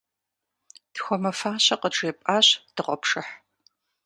Тхуэмыфащэ къыджепӀащ дыгъуэпшыхь.